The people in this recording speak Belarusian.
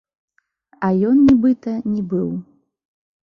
А ён, нібыта, не быў.